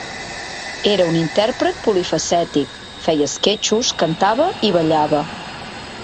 Era un intèrpret polifacètic: feia esquetxos, cantava i ballava.